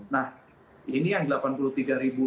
nah ini yang delapan puluh tiga ribu